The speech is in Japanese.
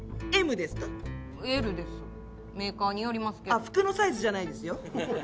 あっ服のサイズじゃないですよ。